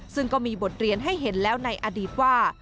ซึ่งก็มีบทเรียนให้เห็นแล้วในอดีตว่า